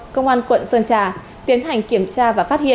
công an quận sơn trà tiến hành kiểm tra và phát hiện